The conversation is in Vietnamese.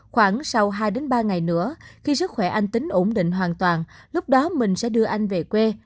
khoảng sau hai ba ngày nữa khi sức khỏe anh tính ổn định hoàn toàn lúc đó mình sẽ đưa anh về quê